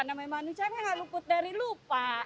namanya manusia kan nggak luput dari lupa